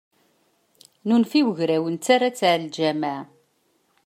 Nunef i wegraw nerra-tt ar leǧwameɛ.